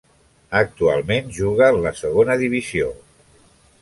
Actualment juga en la Segona Divisió.